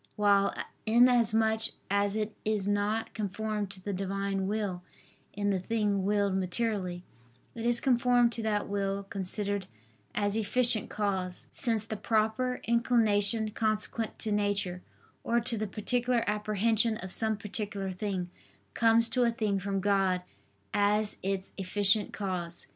While, inasmuch as it is not conformed to the Divine will in the thing willed materially, it is conformed to that will considered as efficient cause; since the proper inclination consequent to nature, or to the particular apprehension of some particular thing, comes to a thing from God as its efficient cause.